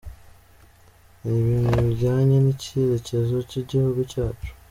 Ni ibintu bijyanye n’icyerekezo cy’igihugu cyacu.